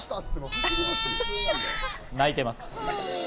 鳴いてます。